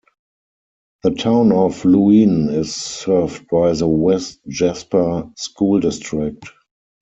The Town of Louin is served by the West Jasper School District.